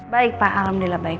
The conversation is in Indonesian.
baik pak alhamdulillah baik